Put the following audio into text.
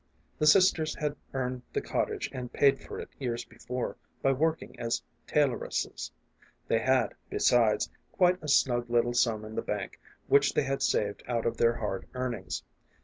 The sisters had earned the cottage and paid A FAR AWAY MELODY. 213 for it years before, by working as tailoresses. They had, besides, quite a snug little sum in the bank, which they had saved out of their hard earnings.